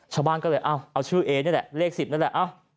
ชาวบ้านก็เลยเอาชื่อเอนี่แหละเลข๑๐นั่นแหละ